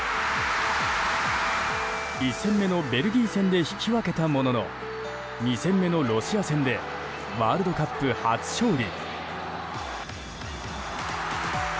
１戦目のベルギー戦で引き分けたものの２戦目のロシア戦でワールドカップ初勝利。